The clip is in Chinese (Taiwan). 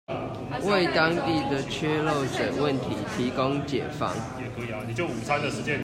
為當地的缺漏水問題提供解方